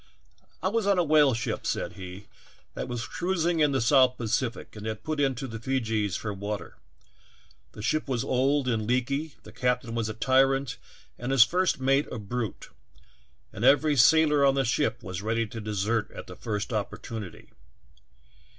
"I was on a whale ship," said he, "that was cruising in the South Pacific and had put into the Feejees for water. The ship was old and leaky, the captain was a tyrant and his first mate a brute, and every sailor on the ship was ready to desert at the first opportunity.